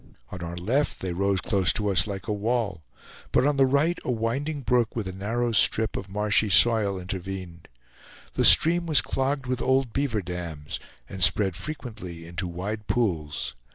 On our left they rose close to us like a wall, but on the right a winding brook with a narrow strip of marshy soil intervened. The stream was clogged with old beaver dams, and spread frequently into wide pools.